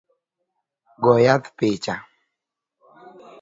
Go yath picha